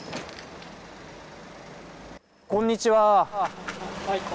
こんにちは。